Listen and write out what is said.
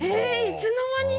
いつの間に？